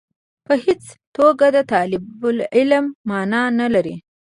په هېڅ توګه د طالب العلم معنا نه لري.